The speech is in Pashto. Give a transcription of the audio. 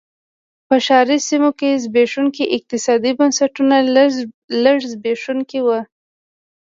په ښاري سیمو کې زبېښونکي اقتصادي بنسټونه لږ زبېښونکي نه و.